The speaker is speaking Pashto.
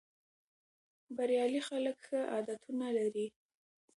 بریالي خلک ښه عادتونه لري.